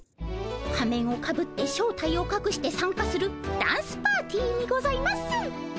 仮面をかぶって正体をかくして参加するダンスパーティーにございます。